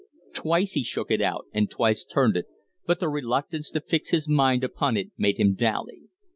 Twice he shook it out and twice turned it, but the reluctance to fix his mind upon it made him dally.